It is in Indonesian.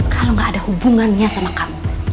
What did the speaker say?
kalau gak ada hubungannya sama kamu